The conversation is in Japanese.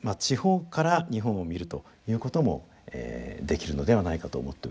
地方から日本を見るということもできるのではないかと思っております。